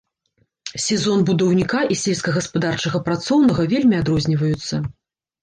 Сезон будаўніка і сельскагаспадарчага працоўнага вельмі адрозніваюцца.